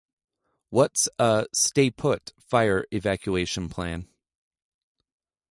What's a 'stay put' fire evacuation plan?